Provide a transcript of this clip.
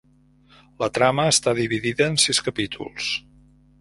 La trama està dividida en sis capítols.